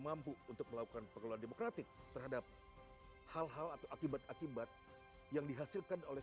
mampu untuk melakukan pengelolaan demokratik terhadap hal hal atau akibat akibat yang dihasilkan oleh